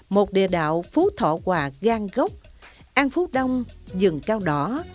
một địa đạo phú thọ hòa gan gốc an phú đông rừng cao đỏ